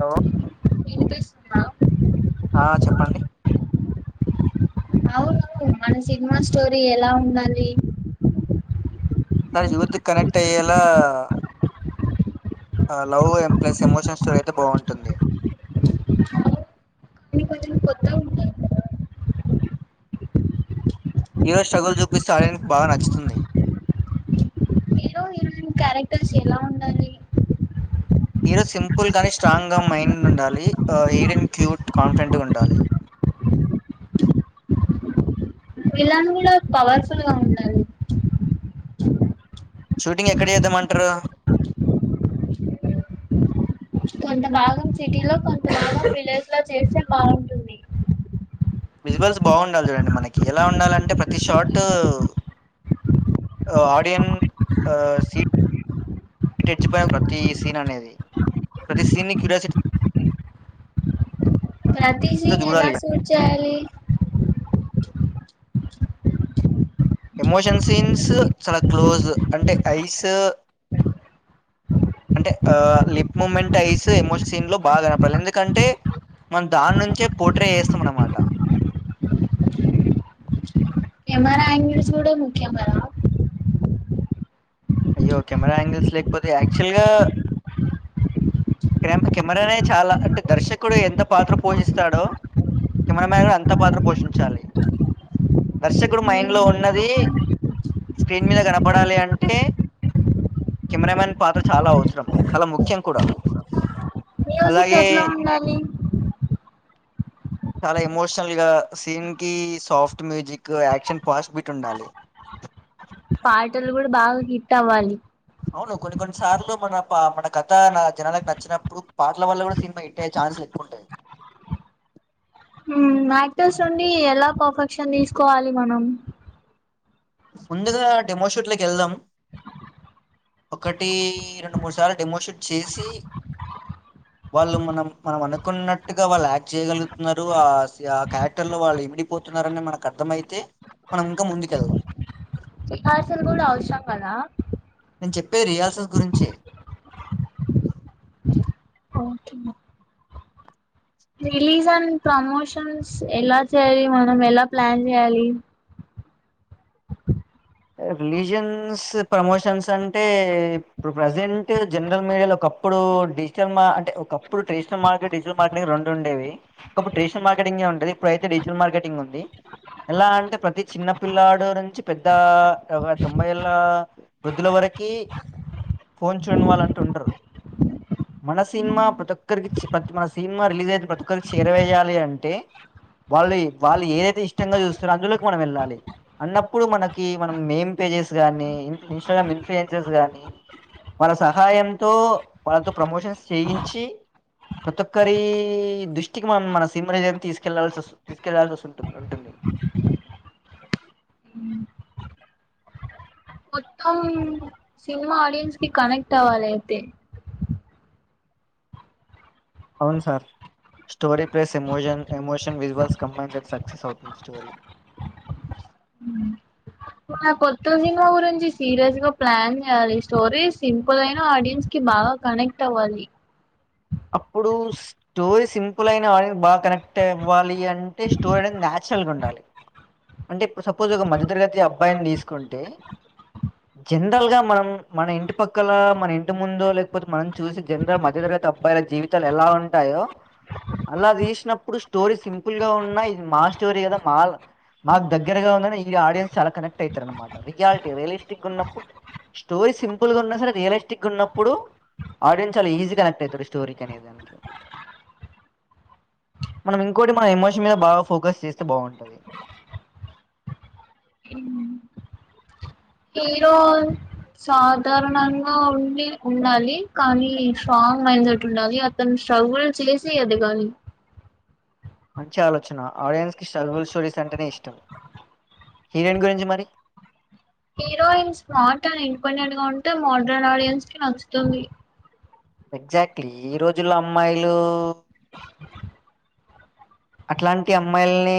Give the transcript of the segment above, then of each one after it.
Hello ఆ చెప్పండి అవును మన సినిమా స్టోరీ ఎలా ఉండాలి యువతికి కనెక్ట్ అయ్యేలా ఆ love um plus emotional story అయితే బాగుంటుంది కానీ కొంచెం కొత్తగా ఉండాలి ఈరోజు స్ట్రగుల్ చూపిస్త ఆడియన్స్ కి బాగా నచ్చుతుంది. హీరో హీరోయిన్ క్యారెక్టర్స్ ఎలా ఉండాలి హీరో సింపుల్ గానీ స్ట్రాంగ్గా మైండ్ ఉండాలి హీరోయిన్ క్యూట్ కాన్ఫిడెంట్గా ఉండాలి. విలన్ కూడా పవర్ఫుల్ గా ఉండాలి షూటింగ్ ఎక్కడ చేద్దామంటారు కొంత భాగం సిటీ లో కొంత భాగం విలేజ్ లో చేస్తే బాగుంటుంది విజువల్స్ బాగుండాలి చూడండి మనకి ఎలా ఉండాలంటే ప్రతి షాట్ ఆడియన్ సి ఇచ్చి పడేయాలే ప్రతి సీన్ అనేది ప్రతి సీన్ క్యూరియాసిటీ ప్రతీ సీన్ ఎలా చూడాలి సూట్ చేయాలి ఎమోషన్ సీన్స్ చాలా క్లోజ్ అంటే ఐస్ అంటే ఆ lip moment eyes emotion scene లో బాగానపడాలి ఎందుకంటే మనం దాని నుంచే పోట్రే ఏస్తాం అన్నమాట కెమెరా అంగీల్స్ కూడా ముఖ్యం కదా అయ్యో కెమెరా యాంగిల్స్ లేకపోతే యాక్చువల్ గా కే కెమెరానే చాలా అంటే దర్శకుడు ఎంత పాత్ర పోషిస్తాడో కెమెరా మాన్ కూడ అంత పాత్ర పోషించాలి దర్శకుడు మైండ్ లో ఉన్నది స్క్రీన్ మీద కనపడాలి అంటే కెమెరామెన్ పాత్ర చాలా అవసరం చాలా ముఖ్యం కూడా జ్ అలాగే కేట్లా ఉండాలి స చాలా ఎమోషనల్ గా సీన్ కి soft music action first beat ఉండాలి పాటలు కూడా బాగా హిట్ అవ్వాలి అవును కొన్ని కొన్ని సార్లు మన ప మన కథ నా జనాాలనికి నచ్చినప్పుడు పాటల వల్ల కూడా సినిమా హిట్ అయ్యే చన్ న్స్ ఎక్కువుంటాది మ్ మ్ యాక్టర్స్ నుండి ఎలా పర్ఫెక్షన్ తీసుకోవాలి మనం ముందుగా డెమోషూట్ లోకి వెళ్దాం ఒకటి రెండు మూడు సార్లు డెమోషూట్ చేసి వాళ్ళు మనం మనం అనుకున్నట్టుగా వాళ్ళు యాక్ట్ చేయగలుగుతున్నారు ఆ ఆ క్యారెక్టర్ లో వాళ్ళు ఇమిడిపోతు న్నారని మనకు అర్థమైతే మనం ఇంకా ముందుకెళ్దాం సిఫార్సు లు కూడా అవసరం గదా నేను చెప్పేది రిహార్సల్స్ గురించే. ఓకే రిలీజ్ అండ్ ప్రమోషన్స్ ఎలా చేయాలి మనం ఎలా ప్లాన్ చేయాలి రిలీజియన్స్ ప్రమోషన్స్ అంటే ఇప్పుడు ప్రజెంట్ జనరల్ మీడియాలో ఒకప్ ప్పుడు డిజిటల్ మ అంటే ఒకప్పుడు టెషనల్ార్కెట్ డిజటల్ మార్కెటింగ్ రెండుండే ఒకప్పుడు ట్రేషనల్ మార్కెటింగ్ ఉండేది ఇప్పుడైతే డిజిటల్ మార్కెటింగ్ ఉంది ఎలా అంటే ప్రతి చిన్న పిల్లాడు నుంచి పెద్ ద్ద తొంభై ఏళ్ళ వృద్ధుల వరకి ఫోన్ చూడని వాలంటు ఉండరు మన సినిమా ప్రతి ఒక్కరికి చ్ మన సినిమా రిలీజ్ అయితే ప్రతి ఒక్కరికి చేరవేయాలి అంటే వాళ్ళు వాళ్ళు ఏదైతే ఇష్టంగా చూస్తుారో అందులోకి మనం వెళ్ళాలి అన్నప్పుడు మనక్ కి మనం మేమ్ పేజెస్ గనీ ఇన్స్టాగ్రామ్ ఇన్ఫయన్సెస్ గానీ వాళ్ళ సహాయంతో వాళ్ళతో ప్రమోషన్స్ చేయించి ప్రతి ఒక్కరి దృష్టికి మనం మన సినిమా నిజం తీసుకెళ్లాల్ తీసుకెళ్లాల్సి ఉంటుంది ఉంటుంది మొత్తం సినిమా ఆడియన్స్ కి కనెక్ట్ అవ్వాలైతే అవును sir story plus emotion emotional visuals combine sir success అవుతుంది స్టోరీ ఉ నా కొత్త సినిమా గురించి సీరియస్ గా ప్లాన్ చేయాలి స్టోరీ సింపుల్ అయినా ఆడియన్స్ కి బాగా కనెక్ట్ అవ్వాలి అప్పుడు స్టోరీ సింపుల్ అయిన ఆడియన్ క్ బాగా కనెక్ట్ అవ్వాలి అంటే స్టోరీ అనేది నచ్ చురల్గా ఉండాలి అంటే ఇప్పుడు సపోజ్ ఒక మధ్యతరగతి అబ్బాయిని తీసుకుంటే జనరల్గా మనం మన ఇంటి పక్కల మన ఇంటి ముందో లేకపోతే మనం చూసి జనరల్ మధ్యతరగతి అ అబ్బాయిల జీవితాలు ఎలా ఉంటాయో అలా తీసినప్పుడు స్టోరీ సింపుల్ గా ఉన్నా ఇది మా స్టోరీ కదా మా మాకు దగ్గరగా ఉందని ఈ ఆడియన్స్ చాలా కనెక్ట్ అవుతారు అనమాట రియాలిటీ రియలిస్టిక్గా ఉన్నప్పుడ్ స్టోరీ సింపుల్ గా ఉన్నా సరే రియలిస్టిక్ గా ఉన్నప్పుడు ఆడియన్స్ చాలా ఈజీ కనెక్ట్ అయితర్ కోరికనే దానికే మనం ఇంకోటి మన ఎమోషన్ మీద బాగా ఫోకస్ చేస్తే బాగుంటుంది మ్ కీరోల్ సాధారణంగా ఉండి ఉండాలి కానీ స్ట్రాంగ్ మైండెడ్ ఉండాలి అతను ట్రోల్ చేసి ఎదగాలి మంచి ఆలోచన ఆడియన్స్ కి స్టబల్ స్టోరీస్ అంటేనే ఇష్టం హీరెన్ గురించి మరి హీరోయిన్ స్మార్ట్ అండ్ ఇండిపెండెంట్ గా ఉంటే మోడ్రన్ ఆడియన్స్ కి నచ్చుతుంది ఎగ్జాక్ట్లీ ఈ రోజుల్లో అమ్మాయిలు అట్లాంటి అమ్మాయిల్ని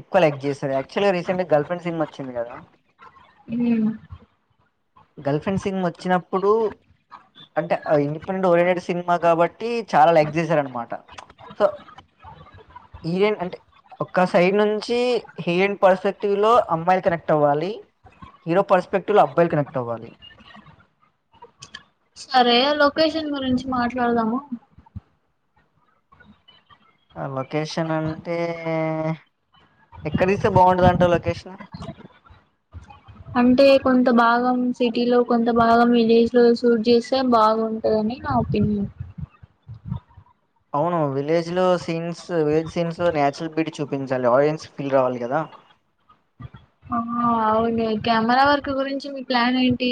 ఎక్కువ లైక్ చేశారు యాక్చువల్గా రీసెంట్ గా గర్ల్ ఫ్రెండ్ సినిమా వచ్చింది కదా మ్ గర్ల్ ఫ్రెండ్ సినిమ వచ్చినప్పుడు అంటే ఇండిపెండెంట్ ఓరియంటెడ్ సినిమా కాబట్టి చాలా లైక్ చేసారు అనమాట సో ఈరేన్ అంటే ఒక్క సైడ్ నుంచి హీరోయిన్ పర్స్పెక్టివ్ లో అమ్మాయిలు కనెక్ట్ అవ్వాలి హీరో పర్స్పెక్టివ్ లో అబ్బాయిలు కనెక్ట్ అవ్వాలి సరే లొకేషన్ గురించి మాట్లాడదాము ఆ లొకేషన్ అంటే ఎక్కడ తీస్తే బాగుంటదంటా లొకేషన్ అంటే కొంత భాగం సిటీ లో కొంత భాగం విలేజ్ లో షూట్ చేస్తే బాగుంటదిండి నావుపిన అవును విలేజ్ లో సీన్స్ విలేజ్ సీన్స్ లో నచురల్ బ్యూటీ చూపించాలి ఆరెంజ్ ఫీల్ రావాలి కదా అ అవును కెమెరా వర్క్ గురించి మీ ప్లాన్ ఏంటి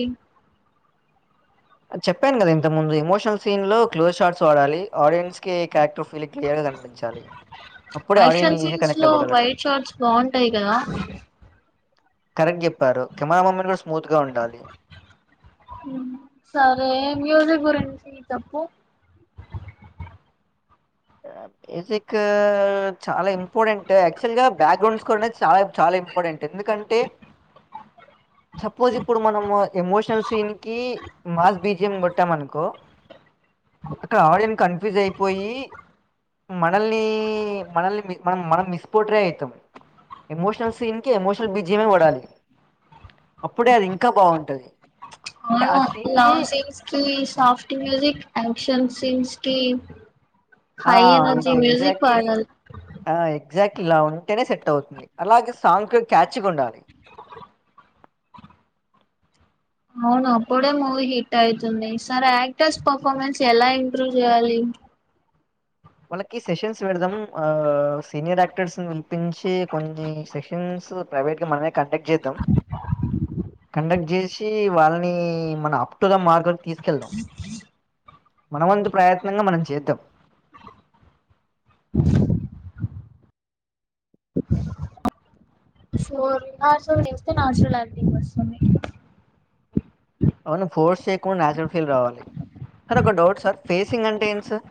చెప్పాను కదా ఇంత ముందు ఇమోషనల్ సీన్ లో క్లోజ్ షార్ట్స్ వాడాలి ఆడియన్స్ కారెక్టర్ ఫీల్ క్లియర్ గా కనిపించాలి అప్పుడే audience action easy scenes connect లో అవ్వగలడు. వైట్ షార్ట్స్ బాగుంటాయి కదా కరెక్ట్ చెప్పారు కెమెరా మమ్మని కూడా స్మూత్గా ఉండాలి సరే మ్యూజిక్ గురించి తప్పు బేజిక్ చాలా ఇంపార్టెంట్ యాక్చువల్ గా బ్యాక్గ్రౌండ్స్ కూడార్ అనేది చాలా చాలా ఇంపార్టెంట్ ఎందుకంటే సపోజ్ ఇప్పుడు మనము ఎమోషనల్ సీన్ కి మాస్ బీజియం కొట్టాం అనుకో ఆటు ఆడియన్ కన్ఫ్యూజ్ అయిపోయి మనల్ని మనల్ని మి మనం మనం మిస్‌పొట్రే అయితాం ఎమోషనల్ సీన్ కి ఎమోషనల్ బిజియమే పడాలి అప్పుడే అది ఇంకా బాగుంటది అవును లవ్ సీన్స్ కి soft music um action scenes కి ఆ high energy is music exactly పాడాలి హ ఎగ్జాక్ట్లీ ఇలా ఉంటేనే సెట్ అవుతుంది అలాగే సాంగ్ క్యాచీగుండాలి అవును అప్పుడే మూవీ హిట్ అయితుంది సార్ యాక్టర్స్ పర్ఫార్మెన్స్ ఎలా ఇంప్రూవ్ చేయాలి వాళ్ళకి సెషన్స్ పెడదాం ఆ సీనియర్ యాక్టర్స్‌ను పిలి పించి కొన్ని సెక్షన్స్ ప్రైవేట్ గా మనమే కండక్ట్ చేద్దాం కండక్ట్ చేసి వాళ్ళని మన అప్‌ టు ద మార్క్ మనవంతు ప్రయత్నంగా మనం చేద్దాం సో నాచురల్ గా చేస్తే నాచురల్ యాక్టింగ్ వస్తుంది అవును ఫోర్స్ చేయకుండా నాచురల్ ఫీల్ రావాలి సార్ ఒక డౌట్ సార్ ఫేసింగ్ అంటే ఏంటి సార్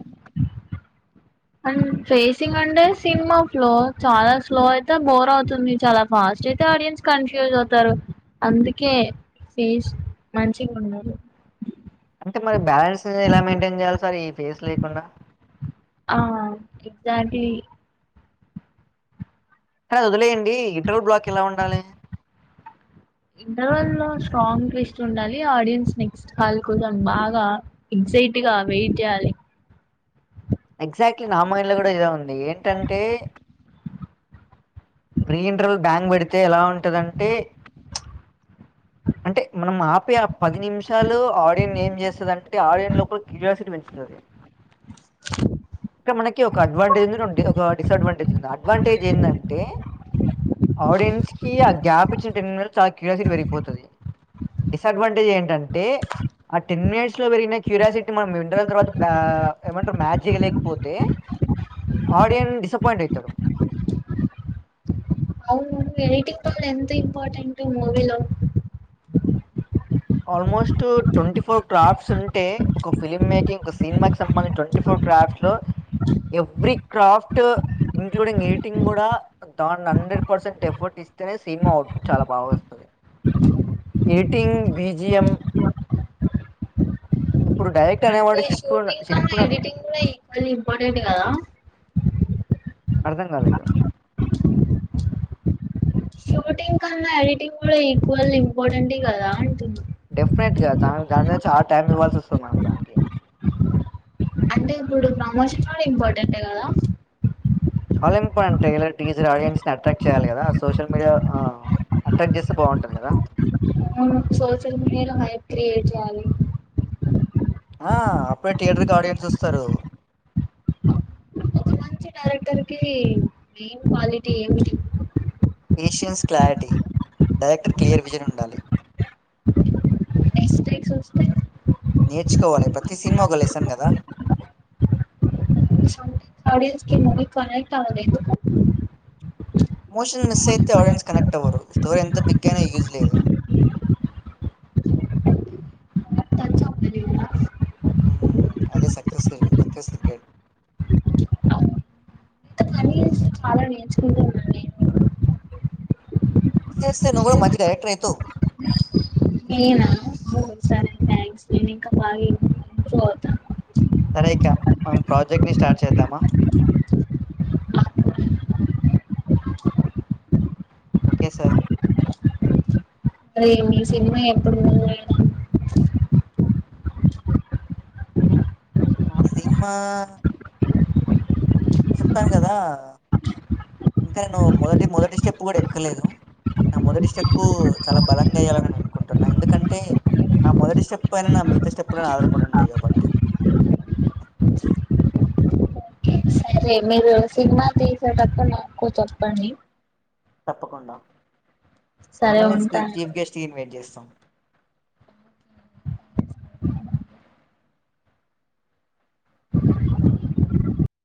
అం ఫేసింగ్ అంటే సినిమా ఫ్లో చాలా స్లో అయితే బోర్ అవుతుంది చాలా ఫా స్ట్ అయితే ఆడియన్స్ కన్ఫ్యూజ్ అవుతారు అందుకే ఫేస్ మంచిగుండాలి అంటే మరి బ్యాలెన్స్ ఎలా మెయింటైన్ చేయాలి సార్ ఈ ఫేస్ లేకుండా? ఆ ఎగ్జాక్ట్లీ కాదు వదిలేయండి ఇంటర్వ్యూ బ్లాక్ ఎలా ఉండాలి ఇంటర్వెల్ లో స్ట్రాంగ్ ట్విస్ట్ ఉండాలి ఆడియన్స్ నెక్స్ట్ హాల్ కూడా బాగా ఎగ్జైట్ గా వెయిట్ చేయాలి ఎగ్జాక్ట్లీ నా మైండ్లో కూడా ఇదే ఉంది ఏంటంటే రీ ఇంటర్వ్యూ బ్యాంగ్ పెడితే ఎలా ఉంటదంటే అంటే మనం ఆపే ఆ పది నిమిషాలు ఆడియన్‌ని ఏం చేస్తాదంటే ఆడియన్ లోపల క్యూరియాసిటీ పెంచు తాది ఇక్క మనకి ఒక అడ్వాంటేజ్ ఉంది రెం ఒక డిసడ్వాంటేజ్ ఉంది అడ్వాంటేజ్ ఏంటంటే ఆడియన్స్ కి ఆ గ్యాప్ ఇచ్చిన టెన్ మినిట్స్ చాలా క్యూరియాసిటీ పెరిగిపోతాది డిసడ్వాంటేజ్ ఏంటంటే ఆ టెన్ మినిట్స్ లో పెరిగిన క్యూరియాసిటీ మనం ఇంటర్వెల్ తర్వాత ఏమంటారు మ్యాచ్ చేయలేకపోతే ఆడియన్ డిసప్పయింట్ అయితాడు అవు ను ఎడిటింగ్ రోల్ ఎంత ఇంపార్టెంటు మూవీలో ఆల్మోస్ట్ ట్వంటీ ఫోర్ క్రాఫ్ట్స్ ఉంటే ఒక ఫిల్మ్ మేకింగ్ ఒక సినిమాకి సంబంధించి ట్వంటీ ఫోర్ క్రాఫ్ట్ లో ఎవ్రీ క్రాఫ్ట్ ఇంక్లూడింగ్ ఎయిటింగ్ కూడా దాని హండ్రెడ్ పర్సెంట్ ఎఫర్ట్ ఇస్తేనే సినిమా అవుట్‌పుట్ చాలా బాగా వస్తాది ఎడిటింగ్ బీజియం ఇప్పుడు డైరెక్ట్ అనేవాడు షిప్లోన [unintelligible] అది ఇంపార్టెంట్ కదా అర్ధం కాలేదు షూటింగ్ కన్నా ఎడిటింగ్ కూడా ఈక్వల్ ఇంపార్టెంటే కదా అంటున్నా డెఫినెట్ గా దానికి దానిమీద చాలా టైం ఇవ్వాల్సి వస్తాది మనం దానికి అంటే ఇప్పుడు ప్రమోషన్ కూడా ఇంపార్టెంటే కదా చాలా ఇంపార్టెంట్ టీచర్ ఆడియన్స్ ని అట్రాక్ట్ చేయాలి కదా సోషల్ మీడియా అట్రాక్ట్ చేస్తే బాగుంటారు కదా మవును సోషల్ మీడియాలో హయాప్ క్రియేట్ చేయాలి ఆ అప్పుడే థియేటర్కి ఆడియన్స్ వస్తారు ఒక డైరెక్టర్ కి మెయిన్ క్వాలిటీ ఏమిటి ఏషియన్స్ క్లారిటీ డైరెక్టర్ క్లియర్ విజన్ ఉండాలి సస్త [unintelligible] నేర్చుకోవాలి ప్రతి సినిమా ఒక లెసను కదా అడియన్స్కి మీ కానక్ట్ అవ్వలేదు మోషన్ [unintelligible] ఆడియన్స్ కనెక్ట్ ట్టరు స్టోర్ ఎంత బిగ్గాన యూజ్ లేదు టచ్ అవ్వదు ఇంత అదే సక్సస్ సక్సస్ ఇ పని చేసి [unintelligible] చేస్తే నువ్వు కూడా మంచి డైరెక్టర్ అవుతావు నేనా సరే థ్యాంక్స్ నేను ఇంకా బాగా ఇంప్రూవ్ అవుతాను సరే ఇక మం ప్రాజెక్ట్ ని స్టార్ట్ చేద్దామా ఓకే సార్ అరే సినిమా ఎప్పుడున్నా నా సినిమా చెప్పాను కదా ఇంకా నేను మొదటి మొదటి స్టెప్ కూడా ఎక్కలేదు నా మొదటి స్టెప్పు చాలా బలంగా వయ్యాలనిే అనుకుంటున్నా ఎందుకంటే నా మొదటి స్టెప్ పయినా నా మిగతా స్టెప్పు అనా ఆధారపడి ఉంటాయి కాబట్టి [inaudible] సరే మీరు సినిమా తీసేటప్పుడు నాకు చెప్పండి తప్పకుండా మిమ్మ సరే ఉంటాను చీఫ్ గెస్ట్గా ఇన్వయిట్ చేస్తాం [inaudible]